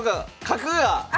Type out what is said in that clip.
角が。